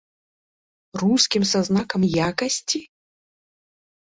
Рускім са знакам якасці?